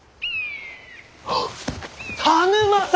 田沼様！